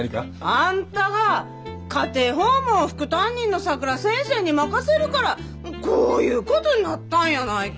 あんたが家庭訪問を副担任のさくら先生に任せるからこういうことになったんやないか！